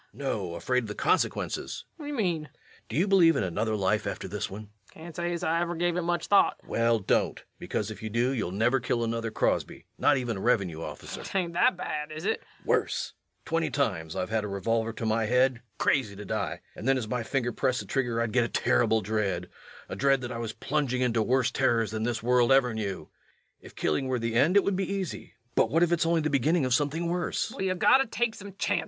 REVENUE. No, afraid of the consequences. LUKE. Whad d'ye mean? REVENUE. Do you believe in another life after this one? LUKE. I kan't say ez I ever give it much thought. REVENUE. Well, don't because if you do you'll never kill another Crosby ... not even a revenue officer. LUKE. 'Tain't that bad, is it? REVENUE. Worse. Twenty times I've had a revolver to my head crazy to die and then as my finger pressed the trigger I'd get a terrible dread a dread that I was plunging into worse terrors than this world ever knew. If killing were the end it would be easy, but what if it's only the beginning of something worse?